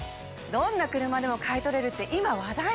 どんな車でも買い取れるって今話題の！